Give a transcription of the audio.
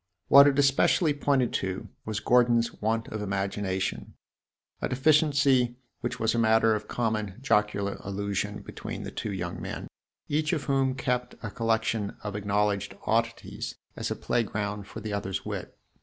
What it especially pointed to was Gordon's want of imagination a deficiency which was a matter of common jocular allusion between the two young men, each of whom kept a collection of acknowledged oddities as a playground for the other's wit.